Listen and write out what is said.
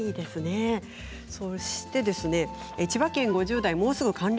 そして千葉県５０代の方です。